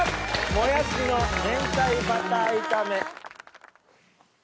もやしの明太バター炒め。